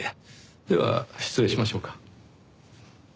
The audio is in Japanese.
では失礼しましょうか。